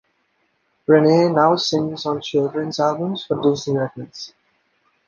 Renee now sings on children's albums for Disney Records.